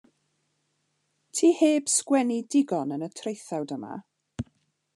Ti heb sgwennu digon yn y traethawd yma.